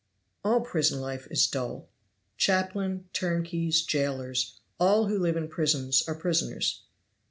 All prison life is dull. Chaplain, turnkeys, jailers, all who live in prisons are prisoners.